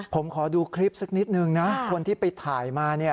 ผมขอดูคลิปสักนิดนึงนะคนที่ไปถ่ายมาเนี่ย